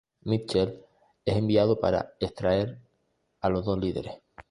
Mitchell es enviado para extraer a los dos líderes.